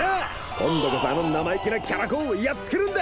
今度こそあの生意気なキャラ公をやっつけるんだ！